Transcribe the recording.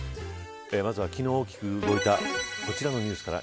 まずは昨日大きく動いたこちらのニュースから。